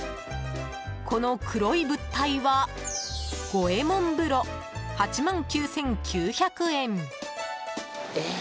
この黒い物体は五右衛門風呂、８万９９００円。